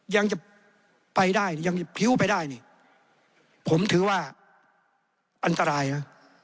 ยังจะไปได้ยังพิ้วไปได้นี่ผมถือว่าอันตรายนะ